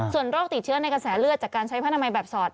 ส่วนรอกติดเชื้อในกระแสเลือดจากการใช้พันธ์อันไมค์แบบสอด